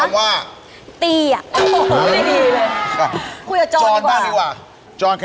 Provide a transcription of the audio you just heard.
เน้นคำว่า